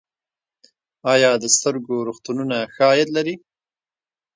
آیا د سترګو روغتونونه ښه عاید لري؟